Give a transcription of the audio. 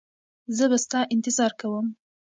زه به ستا انتظار کوم.